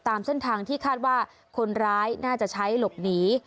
ตามเส้นทางที่คาดว่าคนร้ายน่าจะใช้หลบหนี